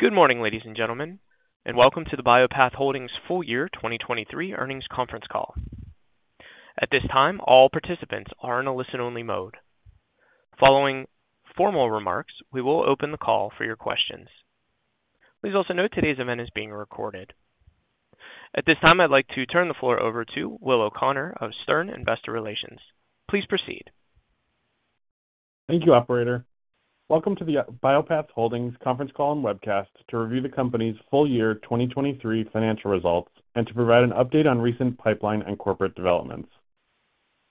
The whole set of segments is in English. Good morning, ladies and gentlemen, and welcome to the Bio-Path Holdings Full-Year 2023 Earnings Conference Call. At this time, all participants are in a listen-only mode. Following formal remarks, we will open the call for your questions. Please also note today's event is being recorded. At this time, I'd like to turn the floor over to Will O'Connor of Stern Investor Relations. Please proceed. Thank you, Operator. Welcome to the Bio-Path Holdings conference call and webcast to review the company's full-year 2023 financial results and to provide an update on recent pipeline and corporate developments.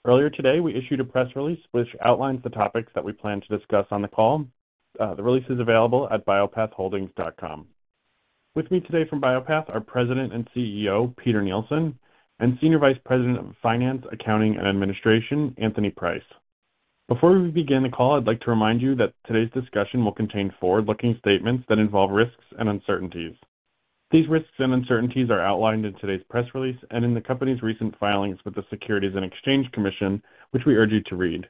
Earlier today, we issued a press release which outlines the topics that we plan to discuss on the call. The release is available at biopathholdings.com. With me today from Bio-Path are President and CEO Peter Nielsen and Senior Vice President of Finance, Accounting, and Administration, Anthony Price. Before we begin the call, I'd like to remind you that today's discussion will contain forward-looking statements that involve risks and uncertainties. These risks and uncertainties are outlined in today's press release and in the company's recent filings with the Securities and Exchange Commission, which we urge you to read.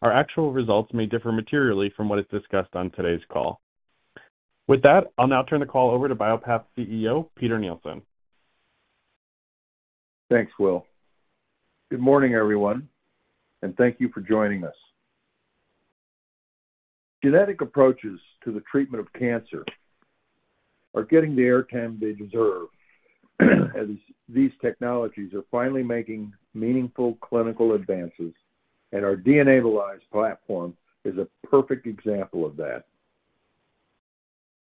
Our actual results may differ materially from what is discussed on today's call. With that, I'll now turn the call over to Bio-Path CEO Peter Nielsen. Thanks, Will. Good morning, everyone, and thank you for joining us. Genetic approaches to the treatment of cancer are getting the airtime they deserve, as these technologies are finally making meaningful clinical advances, and our DNAbilize® platform is a perfect example of that.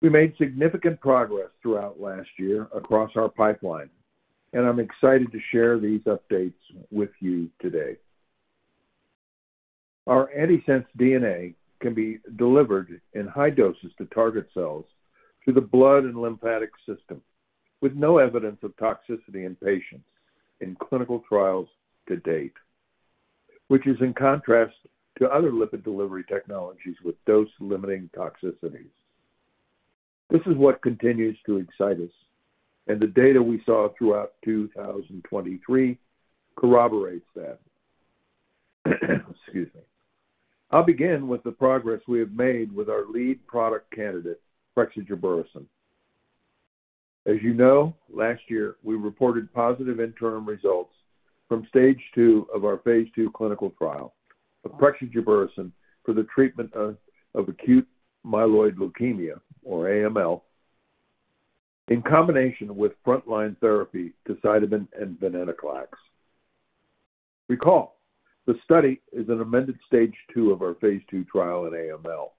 We made significant progress throughout last year across our pipeline, and I'm excited to share these updates with you today. Our antisense DNA can be delivered in high doses to target cells through the blood and lymphatic system with no evidence of toxicity in patients in clinical trials to date, which is in contrast to other lipid delivery technologies with dose-limiting toxicities. This is what continues to excite us, and the data we saw throughout 2023 corroborates that. Excuse me. I'll begin with the progress we have made with our lead product candidate, Prexigebersen. As you know, last year, we reported positive interim results from stage two of our phase II clinical trial of Prexigebersen for the treatment of acute myeloid leukemia, or AML, in combination with frontline therapy to cytarabine and venetoclax. Recall, the study is an amended stage two of our phase II trial in AML.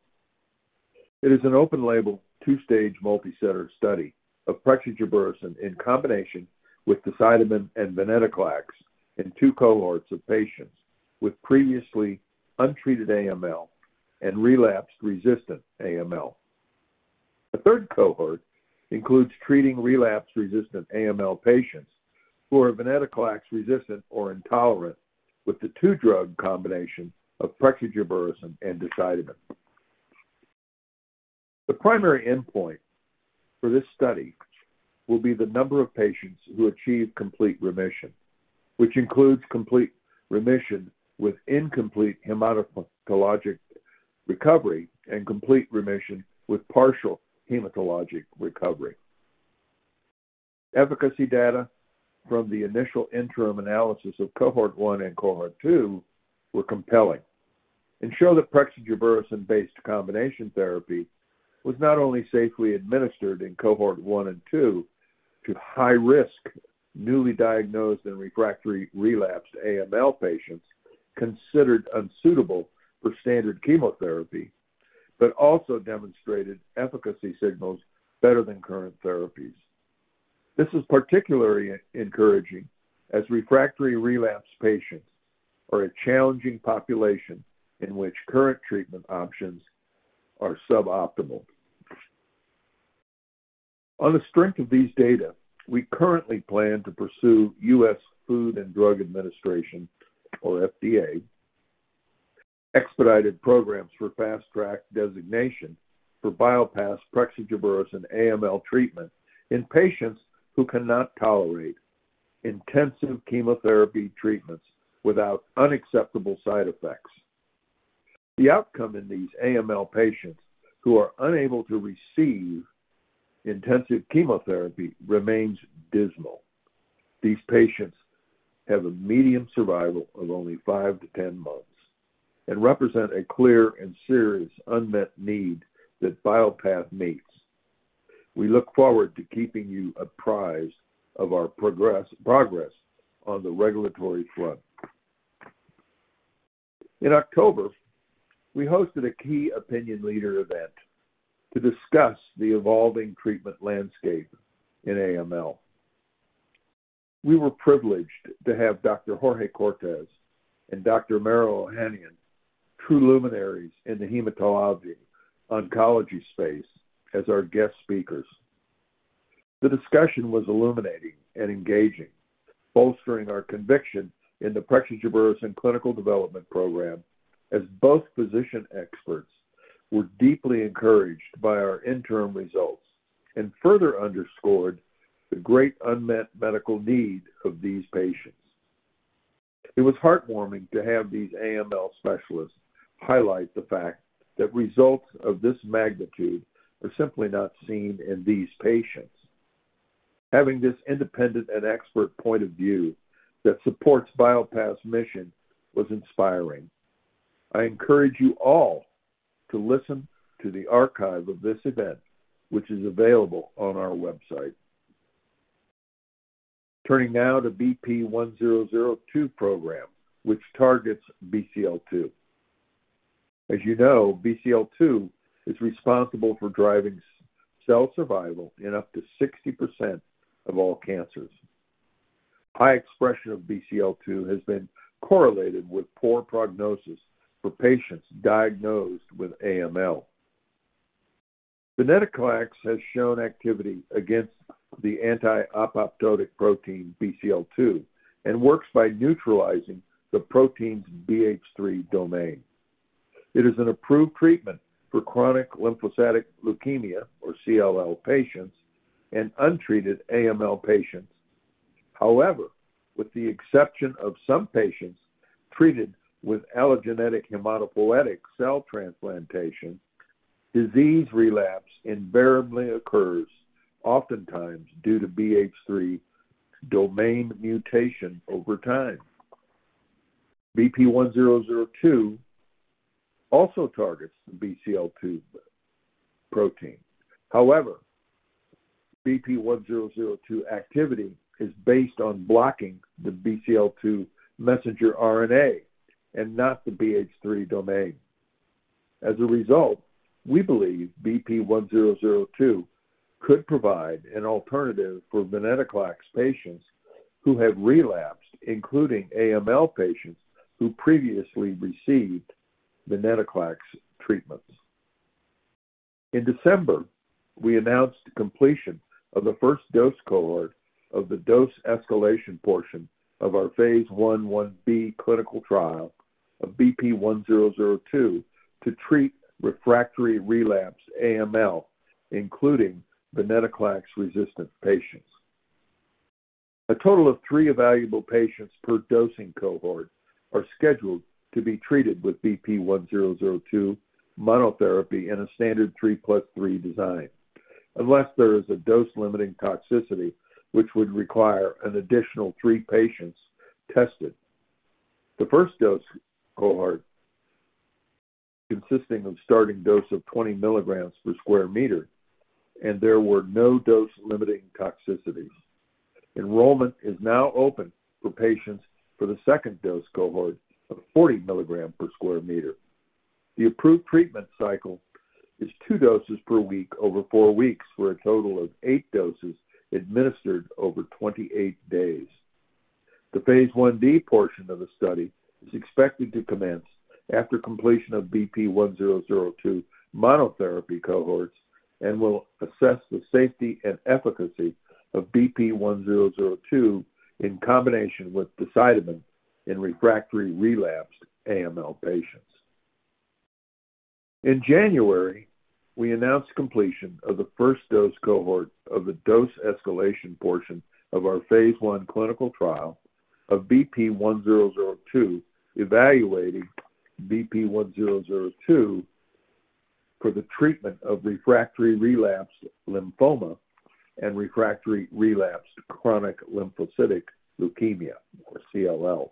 It is an open-label, two-stage, multicenter study of Prexigebersen in combination with the cytarabine and venetoclax in two cohorts of patients with previously untreated AML and relapsed-resistant AML. The third cohort includes treating relapsed-resistant AML patients who are venetoclax-resistant or intolerant with the two-drug combination of Prexigebersen and decitabine. The primary endpoint for this study will be the number of patients who achieve complete remission, which includes complete remission with incomplete hematologic recovery and complete remission with partial hematologic recovery. Efficacy data from the initial interim analysis of cohort 1 and cohort 2 were compelling and show that Prexigebersen-based combination therapy was not only safely administered in cohort 1 and 2 to high-risk, newly diagnosed, and refractory relapsed AML patients considered unsuitable for standard chemotherapy but also demonstrated efficacy signals better than current therapies. This is particularly encouraging as refractory relapsed patients are a challenging population in which current treatment options are suboptimal. On the strength of these data, we currently plan to pursue US Food and Drug Administration, or FDA, expedited programs for Fast Track designation for Bio-Path Prexigebersen AML treatment in patients who cannot tolerate intensive chemotherapy treatments without unacceptable side effects. The outcome in these AML patients who are unable to receive intensive chemotherapy remains dismal. These patients have a median survival of only 5-10 months and represent a clear and serious unmet need that Bio-Path meets. We look forward to keeping you apprised of our progress on the regulatory front. In October, we hosted a key opinion leader event to discuss the evolving treatment landscape in AML. We were privileged to have Dr. Jorge Cortes and Dr. Maro Ohanian, true luminaries in the hematology-oncology space, as our guest speakers. The discussion was illuminating and engaging, bolstering our conviction in the Prexigebersen clinical development program as both physician experts were deeply encouraged by our interim results and further underscored the great unmet medical need of these patients. It was heartwarming to have these AML specialists highlight the fact that results of this magnitude are simply not seen in these patients. Having this independent and expert point of view that supports Bio-Path's mission was inspiring. I encourage you all to listen to the archive of this event, which is available on our website. Turning now to BP1002 program, which targets BCL2. As you know, BCL2 is responsible for driving cell survival in up to 60% of all cancers. High expression of BCL2 has been correlated with poor prognosis for patients diagnosed with AML. Venetoclax has shown activity against the anti-apoptotic protein BCL2 and works by neutralizing the protein's BH3 domain. It is an approved treatment for chronic lymphocytic leukemia, or CLL, patients and untreated AML patients. However, with the exception of some patients treated with allogeneic hematopoietic cell transplantation, disease relapse invariably occurs, oftentimes due to BH3 domain mutation over time. BP1002 also targets the BCL2 protein. However, BP1002 activity is based on blocking the BCL2 messenger RNA and not the BH3 domain. As a result, we believe BP1002 could provide an alternative for venetoclax patients who have relapsed, including AML patients who previously received venetoclax treatments. In December, we announced completion of the first dose cohort of the dose escalation portion of our phase 1/1B clinical trial of BP1002 to treat refractory relapsed AML, including venetoclax-resistant patients. A total of three evaluable patients per dosing cohort are scheduled to be treated with BP1002 monotherapy in a standard 3+3 design unless there is a dose-limiting toxicity, which would require an additional three patients tested. The first dose cohort consisted of a starting dose of 20 milligrams per square meter, and there were no dose-limiting toxicities. Enrollment is now open for patients for the second dose cohort of 40 milligrams per square meter. The approved treatment cycle is two doses per week over four weeks for a total of eight doses administered over 28 days. The phase 1b portion of the study is expected to commence after completion of BP1002 monotherapy cohorts and will assess the safety and efficacy of BP1002 in combination with decitabine in refractory relapsed AML patients. In January, we announced completion of the first dose cohort of the dose escalation portion of our phase 1 clinical trial of BP1002, evaluating BP1002 for the treatment of refractory relapsed lymphoma and refractory relapsed chronic lymphocytic leukemia, or CLL.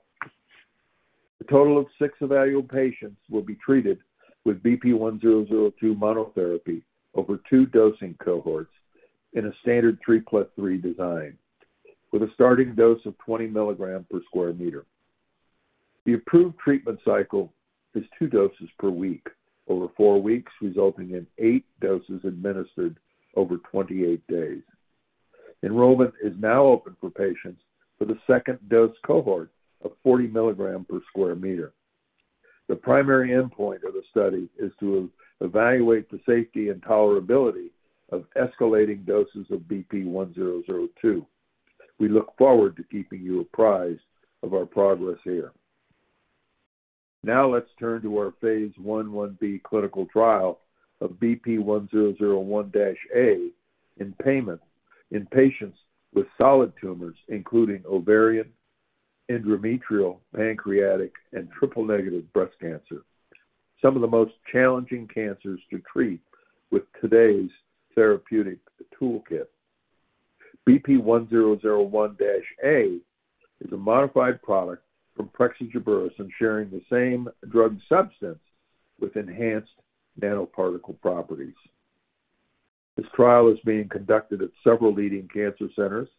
A total of six evaluable patients will be treated with BP1002 monotherapy over two dosing cohorts in a standard 3+3 design with a starting dose of 20 milligrams per square meter. The approved treatment cycle is two doses per week over four weeks, resulting in eight doses administered over 28 days. Enrollment is now open for patients for the second dose cohort of 40 milligrams per square meter. The primary endpoint of the study is to evaluate the safety and tolerability of escalating doses of BP1002. We look forward to keeping you apprised of our progress here. Now let's turn to our Phase 1/1B clinical trial of BP1001-A in patients with solid tumors, including ovarian, endometrial, pancreatic, and triple-negative breast cancer, some of the most challenging cancers to treat with today's therapeutic toolkit. BP1001-A is a modified product from Prexigebersen, sharing the same drug substance with enhanced nanoparticle properties. This trial is being conducted at several leading cancer centers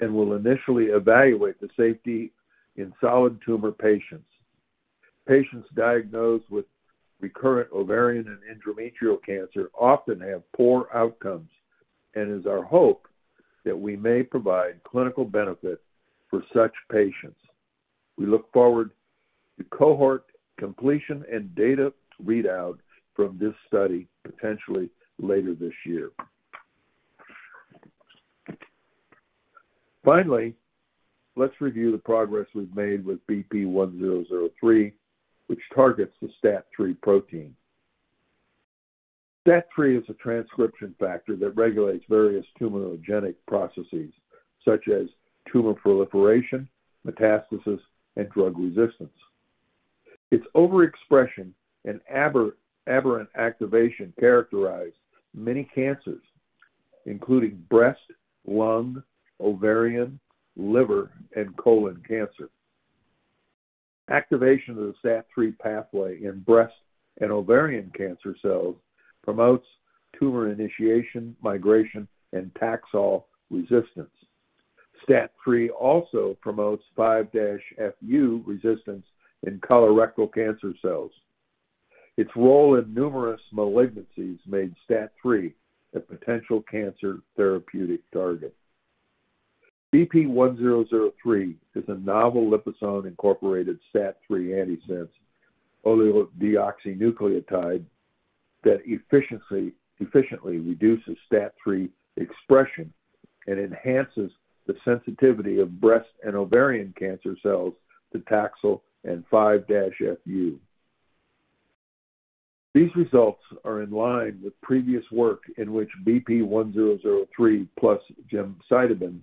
and will initially evaluate the safety in solid tumor patients. Patients diagnosed with recurrent ovarian and endometrial cancer often have poor outcomes, and it is our hope that we may provide clinical benefit for such patients. We look forward to cohort completion and data readout from this study potentially later this year. Finally, let's review the progress we've made with BP1003, which targets the STAT3 protein. STAT3 is a transcription factor that regulates various tumorigenic processes such as tumor proliferation, metastasis, and drug resistance. Its overexpression and aberrant activation characterize many cancers, including breast, lung, ovarian, liver, and colon cancer. Activation of the STAT3 pathway in breast and ovarian cancer cells promotes tumor initiation, migration, and Taxol resistance. STAT3 also promotes 5-FU resistance in colorectal cancer cells. Its role in numerous malignancies made STAT3 a potential cancer therapeutic target. BP1003 is a novel liposome-incorporated STAT3 antisense oligodeoxynucleotide that efficiently reduces STAT3 expression and enhances the sensitivity of breast and ovarian cancer cells to Taxol and 5-FU. These results are in line with previous work in which BP1003 plus gemcitabine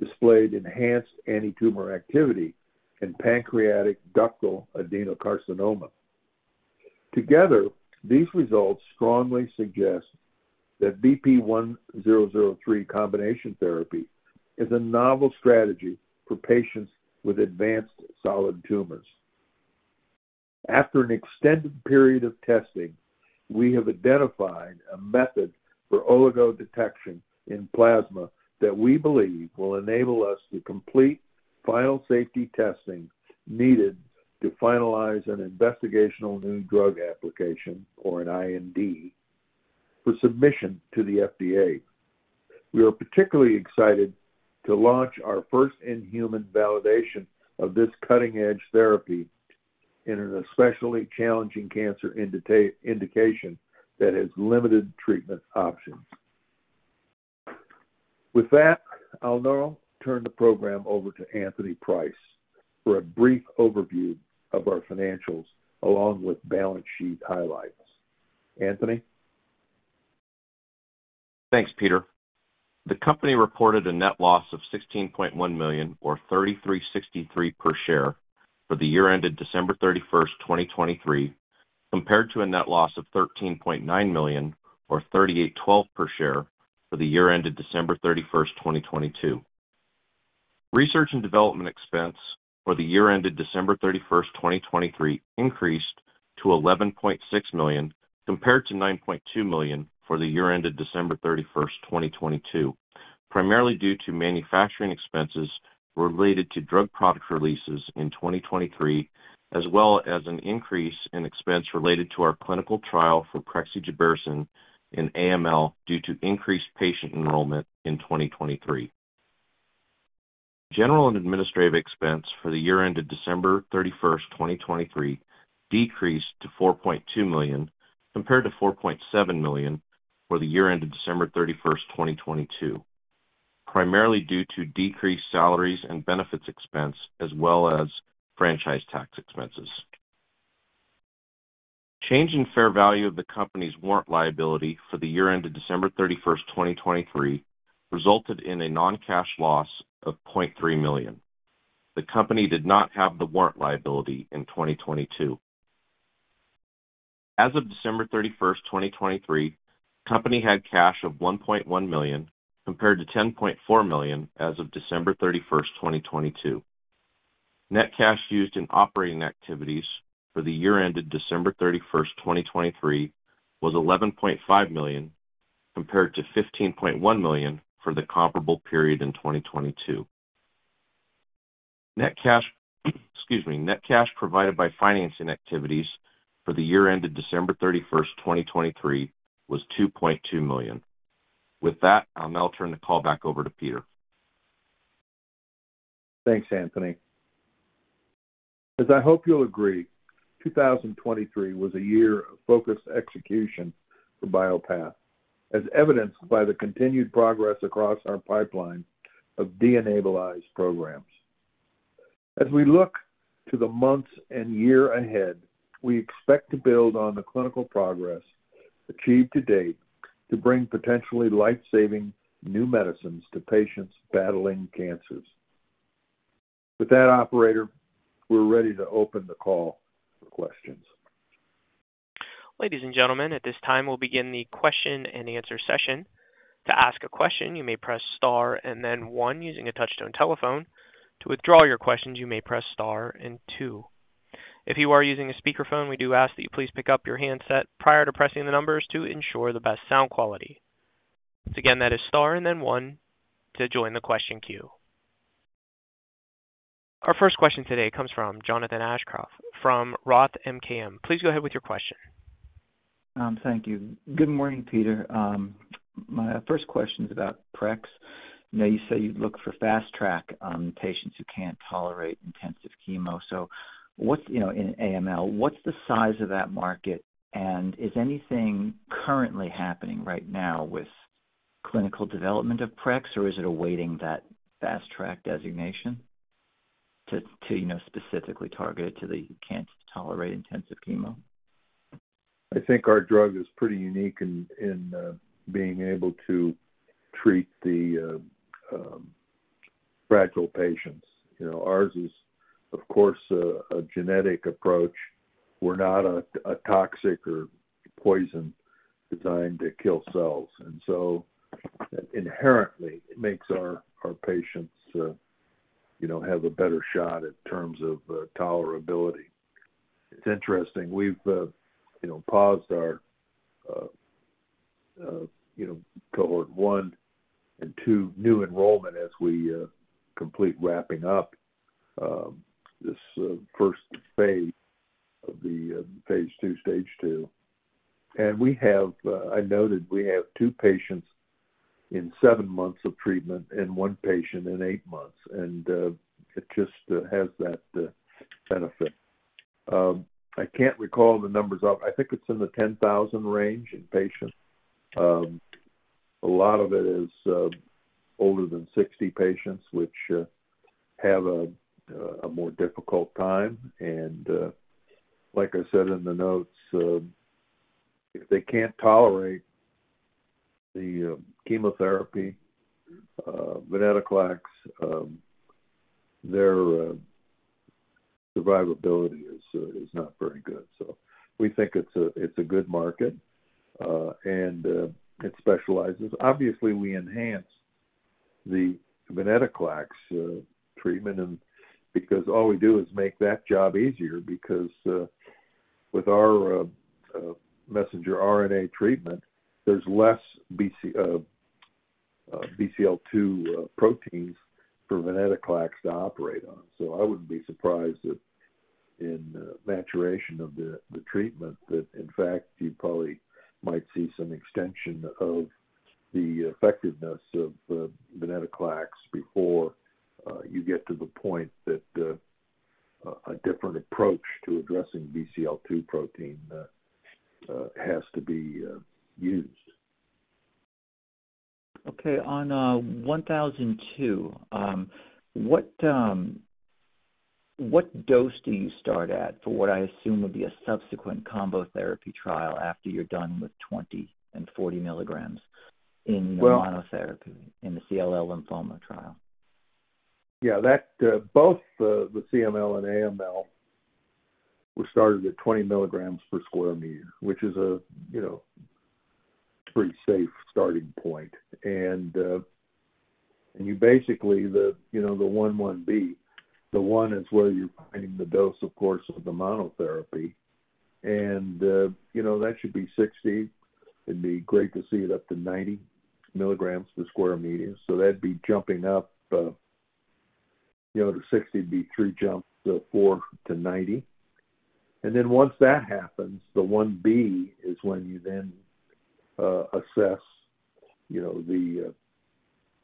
displayed enhanced antitumor activity in pancreatic ductal adenocarcinoma. Together, these results strongly suggest that BP1003 combination therapy is a novel strategy for patients with advanced solid tumors. After an extended period of testing, we have identified a method for oligo detection in plasma that we believe will enable us to complete final safety testing needed to finalize an investigational new drug application, or an IND, for submission to the FDA. We are particularly excited to launch our first in-human validation of this cutting-edge therapy in an especially challenging cancer indication that has limited treatment options. With that, I'll now turn the program over to Anthony Price for a brief overview of our financials along with balance sheet highlights. Anthony? Thanks, Peter. The company reported a net loss of $16.1 million, or $0.3363 per share, for the year-ended December 31st, 2023, compared to a net loss of $13.9 million, or $0.3812 per share, for the year-ended December 31st, 2022. Research and development expense for the year-ended December 31st, 2023, increased to $11.6 million compared to $9.2 million for the year-ended December 31st, 2022, primarily due to manufacturing expenses related to drug product releases in 2023, as well as an increase in expense related to our clinical trial for Prexigebersen in AML due to increased patient enrollment in 2023. General and administrative expense for the year-ended December 31st, 2023, decreased to $4.2 million compared to $4.7 million for the year-ended December 31st, 2022, primarily due to decreased salaries and benefits expense, as well as franchise tax expenses. Change in fair value of the company's warrant liability for the year-ended December 31st, 2023, resulted in a non-cash loss of $0.3 million. The company did not have the warrant liability in 2022. As of December 31st, 2023, the company had cash of $1.1 million compared to $10.4 million as of December 31st, 2022. Net cash used in operating activities for the year-ended December 31st, 2023, was $11.5 million compared to $15.1 million for the comparable period in 2022. Net cash provided by financing activities for the year-ended December 31st, 2023, was $2.2 million. With that, I'll now turn the call back over to Peter. Thanks, Anthony. As I hope you'll agree, 2023 was a year of focused execution for Bio-Path, as evidenced by the continued progress across our pipeline of DNAbilize-enabled programs. As we look to the months and year ahead, we expect to build on the clinical progress achieved to date to bring potentially lifesaving new medicines to patients battling cancers. With that, operator, we're ready to open the call for questions. Ladies and gentlemen, at this time, we'll begin the question-and-answer session. To ask a question, you may press star and then one using a touch-tone telephone. To withdraw your questions, you may press star and two. If you are using a speakerphone, we do ask that you please pick up your handset prior to pressing the numbers to ensure the best sound quality. Once again, that is star and then one to join the question queue. Our first question today comes from Jonathan Aschoff from Roth MKM. Please go ahead with your question. Thank you. Good morning, Peter. My first question is about Prex. You say you look for Fast Track on patients who can't tolerate intensive chemo. So in AML, what's the size of that market, and is anything currently happening right now with clinical development of Prex, or is it awaiting that Fast Track designation to specifically target it to the cancers who tolerate intensive chemo? I think our drug is pretty unique in being able to treat the fragile patients. Ours is, of course, a genetic approach. We're not a toxic or poison designed to kill cells. And so inherently, it makes our patients have a better shot in terms of tolerability. It's interesting. We've paused our cohort one and two new enrollment as we complete wrapping up this first phase of the phase II, stage two. And I noted we have two patients in seven months of treatment and one patient in eight months, and it just has that benefit. I can't recall the numbers off. I think it's in the 10,000 range in patients. A lot of it is older than 60 patients, which have a more difficult time. And like I said in the notes, if they can't tolerate the chemotherapy, venetoclax, their survivability is not very good. So we think it's a good market, and it specializes. Obviously, we enhance the venetoclax treatment because all we do is make that job easier. Because with our messenger RNA treatment, there's less BCL2 proteins for venetoclax to operate on. So I wouldn't be surprised that in maturation of the treatment, that in fact, you probably might see some extension of the effectiveness of venetoclax before you get to the point that a different approach to addressing BCL2 protein has to be used. Okay. On BP1002, what dose do you start at for what I assume would be a subsequent combo therapy trial after you're done with 20 and 40 milligrams in monotherapy in the CLL lymphoma trial? Yeah. Both the CLL and AML were started at 20 milligrams per square meter, which is a pretty safe starting point. And basically, the 11B, the one is where you're finding the dose, of course, of the monotherapy. And that should be 60. It'd be great to see it up to 90 milligrams per square meter. So that'd be jumping up to 60 would be three jumps of 4-90. And then once that happens, the 1B is when you then assess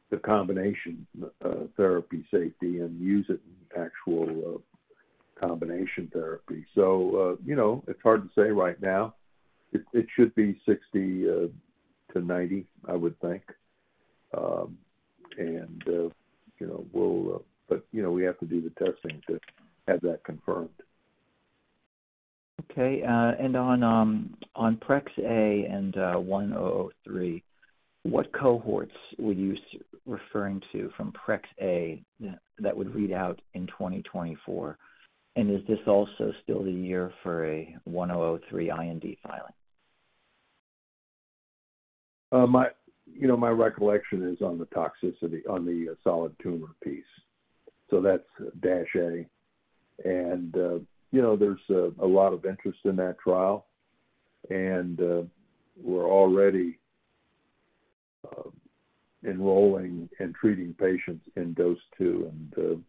the combination therapy safety and use it in actual combination therapy. So it's hard to say right now. It should be 60-90, I would think. But we have to do the testing to have that confirmed. Okay. And on Prex-A and 1003, what cohorts were you referring to from Prex-A that would read out in 2024? And is this also still the year for a 1003 IND filing? My recollection is on the toxicity on the solid tumor piece. So that's dash A. And there's a lot of interest in that trial, and we're already enrolling and treating patients in dose two. And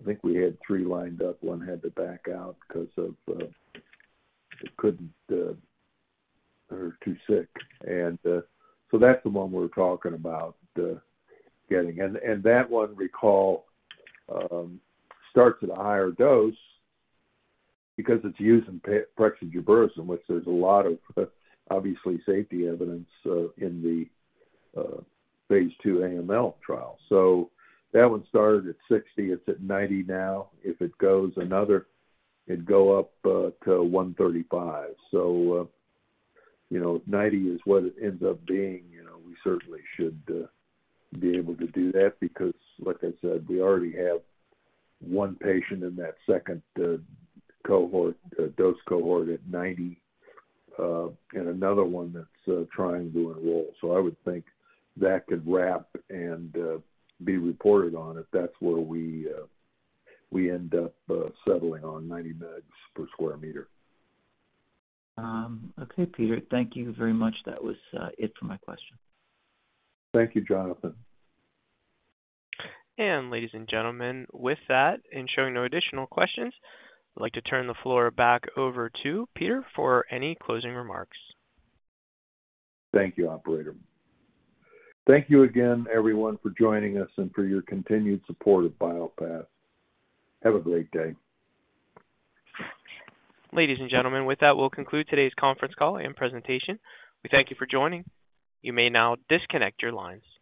I think we had three lined up. One had to back out because it couldn't or too sick. And so that's the one we're talking about getting. And that one, recall, starts at a higher dose because it's using Prexigebersen, which there's a lot of, obviously, safety evidence in the phase II AML trial. So that one started at 60. It's at 90 now. If it goes another, it'd go up to 135. So 90 is what it ends up being. We certainly should be able to do that because, like I said, we already have one patient in that second dose cohort at 90 and another one that's trying to enroll. I would think that could wrap and be reported on if that's where we end up settling on 90 mg per square meter. Okay, Peter. Thank you very much. That was it for my questions. Thank you, Jonathan. Ladies and gentlemen, with that and showing no additional questions, I'd like to turn the floor back over to Peter for any closing remarks. Thank you, operator. Thank you again, everyone, for joining us and for your continued support of Bio-Path. Have a great day. Ladies and gentlemen, with that, we'll conclude today's conference call and presentation. We thank you for joining. You may now disconnect your lines.